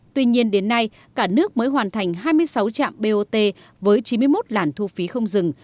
tuy nhiên đến nay cả nước mới hoàn thành hai mươi sáu trạm bot với chín mươi một làn thu phí không dừng